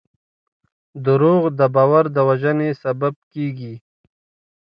دروغ د باور د وژنې سبب کېږي.